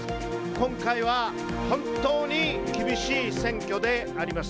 今回は本当に厳しい選挙であります。